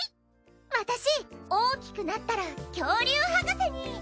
私大きくなったら恐竜博士に。